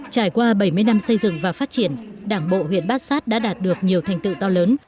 trải qua bảy mươi năm xây dựng và phát triển đảng bộ huyện bát sát đã đạt được nhiều thành tựu to lớn